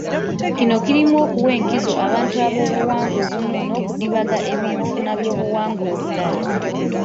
Kino kirimu okuwa enkizo abantu ab'obuwangwa obumu n'okudibaga eby'enfuna by'obuwangwa obulala